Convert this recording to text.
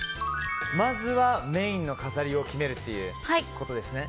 まずはメインの飾りを決めるということですね。